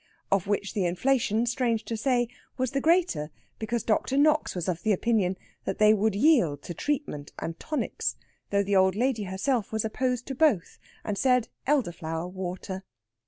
Of which the inflation, strange to say, was the greater because Dr. Knox was of opinion that they would yield to treatment and tonics; though the old lady herself was opposed to both, and said elder flower water.